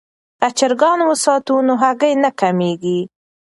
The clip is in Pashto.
که چرګان وساتو نو هګۍ نه کمیږي.